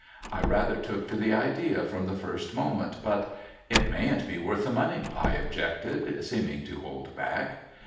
I rather took to the idea from the first moment ; but, * It mayn't be worth the money,' I ol)jected, seeming to hold back.